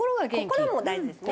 心も大事ですね。